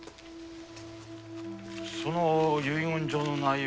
その遺言状の内容